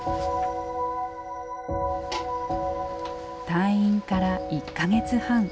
退院から１か月半。